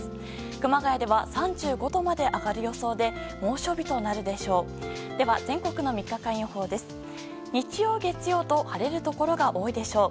熊谷では３５度まで上がる予想で猛暑日となるでしょう。